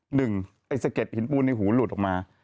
ไอ้สะเก็ดหินปูนในหูหลุดออกมา